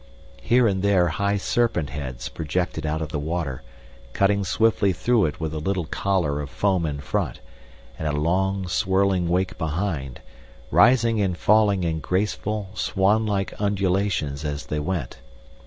Here and there high serpent heads projected out of the water, cutting swiftly through it with a little collar of foam in front, and a long swirling wake behind, rising and falling in graceful, swan like undulations as they went.